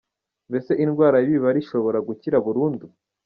Mbese indwara y’ibibari ishobora gukira burundu?.